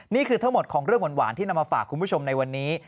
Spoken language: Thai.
นี่คือทั้งหมดของเรื่องหวานที่นำมาฝากคุณผู้ชมในวันนี้